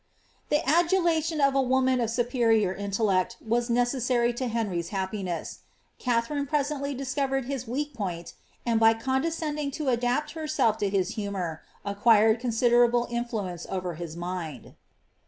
^'^ IMie adulation of a woman of superior intellect was necessary to Henry V happiness. Katharine presently discovered his weak point, an<l, by condescending to adapt herself to his humour^ acquired consideFible influence over his mind.